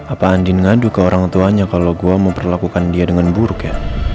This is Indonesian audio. apa andien ngadu ke orang tuanya kalau gue mau perlakukan dia dengan buruk ya